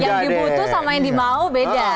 yang diputus sama yang dimau beda